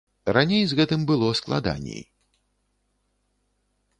Раней з гэтым было складаней.